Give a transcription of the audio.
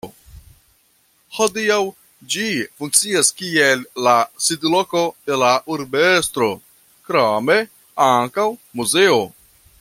Hodiaŭ, ĝi funkcias kiel la sidloko de la urbestro, krome ankaŭ muzeo.